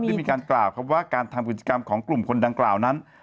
ได้มีการกล่าวครับว่าการทำกิจกรรมของกลุ่มคนดังกล่าวนั้น